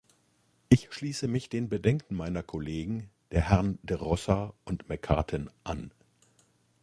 Ich schließe mich den Bedenken meiner Kollegen, der Herrn de Rossa und McCartin, an.